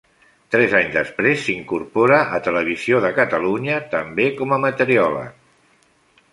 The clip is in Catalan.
Tres anys després s'incorpora a Televisió de Catalunya també com a meteoròleg.